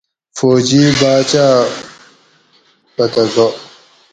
فوجی باۤچاۤ پتہ گا